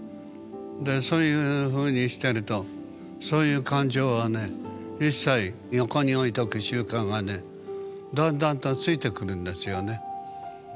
でそういうふうにしてるとそういう感情はね一切横に置いとく習慣がねだんだんとついてくるんですよね。